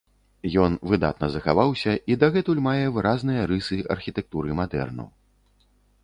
Ён выдатна захаваўся і дагэтуль мае выразныя рысы архітэктуры мадэрну.